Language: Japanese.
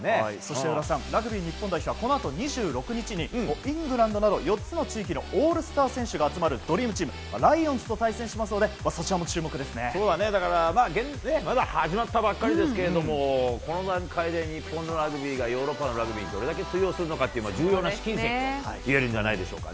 上田さん、ラグビー日本代表はこのあと２６日にイングランドなど４つの地域のオールスター選手が集まるドリームチーム、ライオンズと対戦しますのでまだ始まったばかりですがこの段階で日本のラグビーがヨーロッパのラグビーにどれだけ通用するかという重要な試金石といえるんじゃないでしょうか。